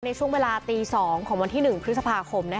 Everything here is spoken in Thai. ในช่วงเวลาตี๒ของวันที่๑พฤษภาคม